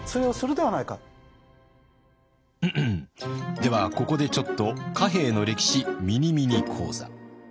ではここでちょっと「貨幣の歴史ミニミニ講座」。